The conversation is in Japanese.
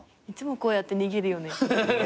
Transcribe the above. いつもこうやって逃げるよね。